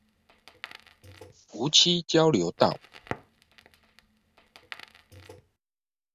梧棲交流道